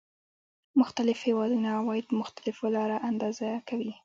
مختلف هېوادونه عواید په مختلفو لارو اندازه کوي